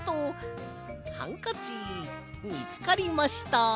ハンカチみつかりました。